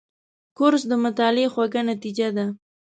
کورس د مطالعې خوږه نتیجه ده.